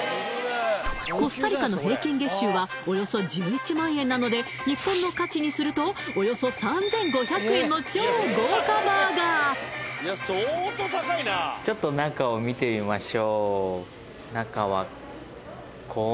コスタリカの平均月収はおよそ１１万円なので日本の価値にするとおよそ３５００円の超豪華バーガーですねがのってます